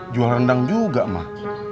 jual rendang juga mak